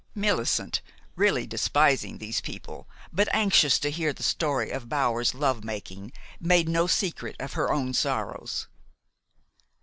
Millicent, really despising these people, but anxious to hear the story of Bower's love making, made no secret of her own sorrows.